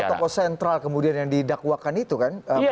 itu pun tokoh tokoh sentral kemudian yang didakwakan itu kan